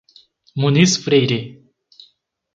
Muniz Freire